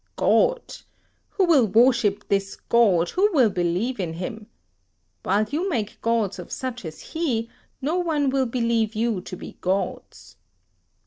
God! who will worship this god, who will believe in him? While you make gods of such as he, no one will believe you to be gods.